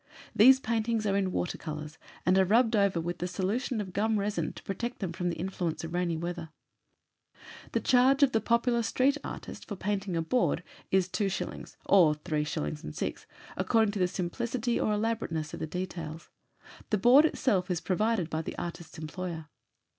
These paintings are in water colours, and are rubbed over with a solution of gum resin to protect them from the influence of rainy weather. The charge of the popular street artist for the painting of a board is 2s. or 3s. 6d., according to the simplicity or elaborateness of the details; the board itself is provided by the artist's employer.